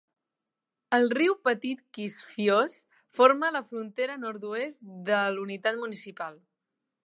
El riu petit Kifisos forma la frontera nord-oest de la unitat municipal.